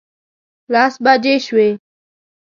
لس بجې شوې.